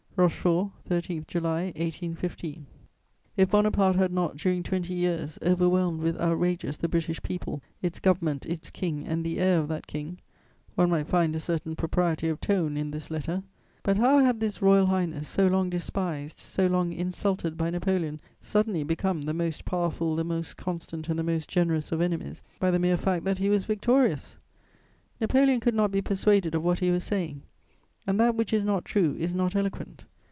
"ROCHEFORT, 13 July 1815." If Bonaparte had not, during twenty years, overwhelmed with outrages the British people, its government, its King, and the heir of that King, one might find a certain propriety of tone in this letter; but how had this "Royal Highness," so long despised, so long insulted by Napoleon, suddenly become "the most powerful, the most constant and the most generous" of enemies by the mere fact that he was victorious? Napoleon could not be persuaded of what he was saying; and that which is not true is not eloquent.